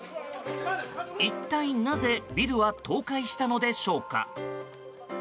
一体、なぜビルは倒壊したのでしょうか。